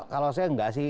kalau saya enggak sih